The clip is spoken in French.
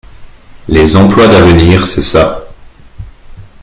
Les emplois d’avenir, c’est ça.